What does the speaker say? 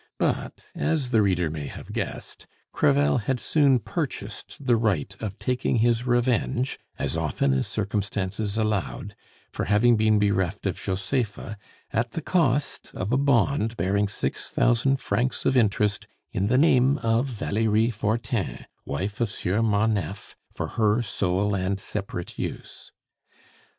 But, as the reader may have guessed, Crevel had soon purchased the right of taking his revenge, as often as circumstances allowed, for having been bereft of Josepha, at the cost of a bond bearing six thousand francs of interest in the name of Valerie Fortin, wife of Sieur Marneffe, for her sole and separate use.